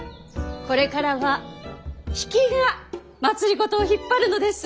これからは比企が政を引っ張るのです。